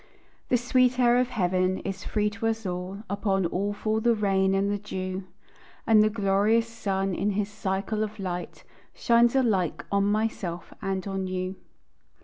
The sweet air of heaven is free to us all; Upon all fall the rain and the dew; And the glorious sun in his cycle of light Shines alike on myself and on you.